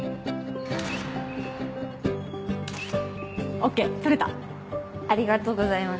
オーケー撮れたありがとうございます